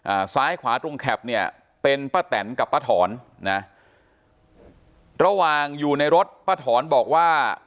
อ่าซ้ายขวาตรงแคปเนี่ยเป็นป้าแตนกับป้าถอนนะระหว่างอยู่ในรถป้าถอนบอกว่า